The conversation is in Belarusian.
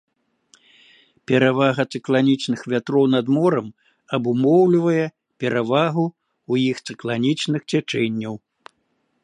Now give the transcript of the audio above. Перавага цыкланічных вятроў над морам абумоўлівае абумоўлівае перавагу ў іх цыкланічных цячэнняў.